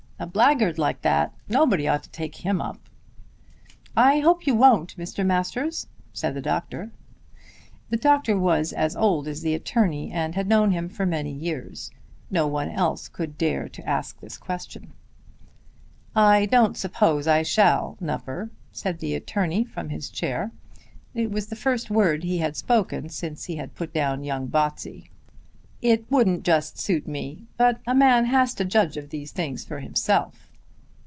A blackguard like that! Nobody ought to take him up." "I hope you won't, Mr. Masters," said the doctor. The doctor was as old as the attorney, and had known him for many years. No one else could dare to ask the question. "I don't suppose I shall, Nupper," said the attorney from his chair. It was the first word he had spoken since he had put down young Botsey. "It wouldn't just suit me; but a man has to judge of those things for himself."